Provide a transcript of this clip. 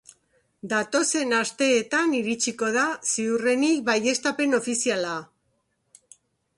Datozen asteetan iritsiko da, ziurrenik, baieztapen ofiziala.